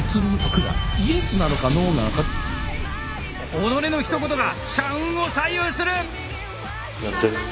己のひと言が社運を左右する。